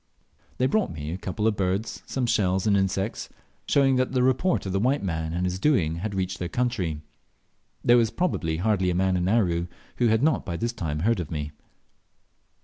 They brought me a couple of birds, some shells and insects; showing that the report of the white man and his doing had reached their country. There was probably hardly a man in Aru who had not by this time heard of me.